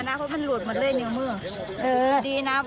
เพราะพ่อบอกว่าได้สดได้ทรัศน์สินเราไปซับ